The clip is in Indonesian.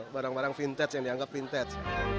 barang barang vintage yang dianggap vintage